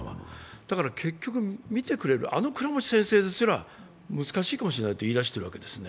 だから結局、あの倉持先生ですら難しいかもしれないと言っているわけです。